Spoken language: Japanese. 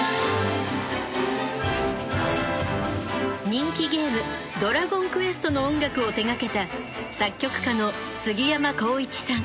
人気ゲーム「ドラゴンクエスト」の音楽を手がけた作曲家のすぎやまこういちさん。